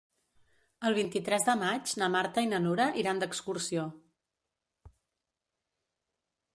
El vint-i-tres de maig na Marta i na Nura iran d'excursió.